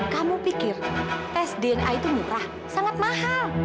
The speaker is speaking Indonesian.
kamu pikir tes dna itu murah sangat mahal